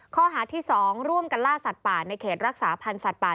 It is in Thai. ข้อหาที่๒ร่วมกันล่าสัตว์ป่าในเขตรักษาพันธ์สัตว์ป่า